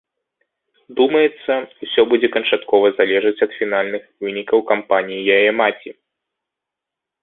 Думаецца, усё будзе канчаткова залежыць ад фінальных вынікаў кампаніі яе маці.